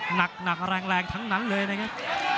หนักแรงทั้งนั้นเลยนะครับ